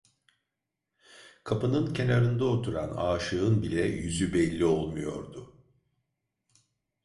Kapının kenarında oturan aşığın bile yüzü belli olmuyordu.